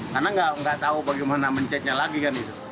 karena nggak tahu bagaimana mencetnya lagi kan itu